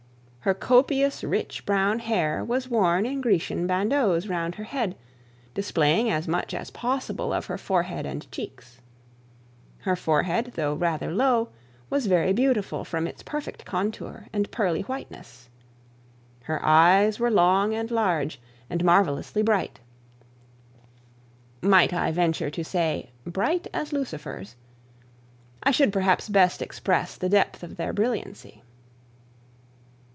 Her copious rich brown hair was worn in Grecian bandeaux round her head, displaying as much as possible of her forehead and cheeks. Her forehead, though rather low, was very beautiful from its perfect contour and pearly whiteness. Her eyes were long and large, and marvellously bright; might I venture to say, bright as Lucifer's, I should perhaps best express the depth of their brilliancy.